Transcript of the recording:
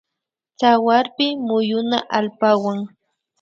Tsawarpi muyuna allpawan